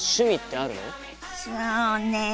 そうね